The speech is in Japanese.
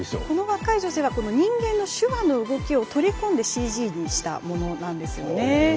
この若い女性は人間の手話の動きを取り込んでＣＧにしたものなんですよね。